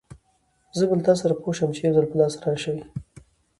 زه به له تاسره پوه شم، چې يوځل په لاس راشې!